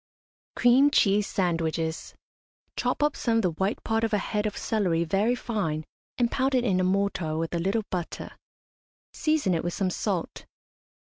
CREAM CHEESE SANDWICHES. Chop up some of the white part of a head of celery very fine, and pound it in a mortar with a little butter; season it with some salt.